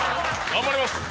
頑張ります！